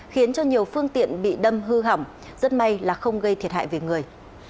khiến cho nhiều phương tiện bị đâm hư hỏng rất may là không gây thiệt hại về người